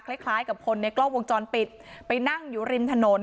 คล้ายกับคนในกล้องวงจรปิดไปนั่งอยู่ริมถนน